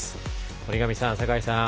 森上さん、酒井さん